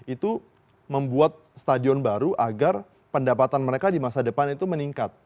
itu membuat stadion baru agar pendapatan mereka di masa depan itu meningkat